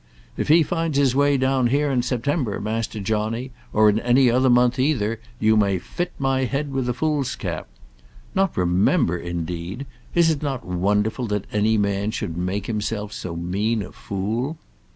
"If he finds his way down here in September, Master Johnny, or in any other month either, you may fit my head with a foolscap. Not remember, indeed! Is it not wonderful that any man should make himself so mean a fool?"